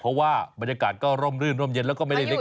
เพราะว่าบรรยากาศก็ร่มรื่นร่มเย็นแล้วก็ไม่ได้เล็ก